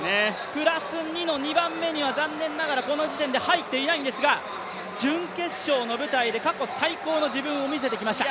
プラス２の２番目にはこの時点では残念ながら入っていないんですが、準決勝の舞台で過去最高の自分を見せてきました。